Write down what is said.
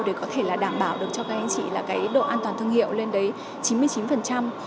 để có thể là đảm bảo được cho các anh chị là cái độ an toàn thương hiệu lên đến chín mươi chín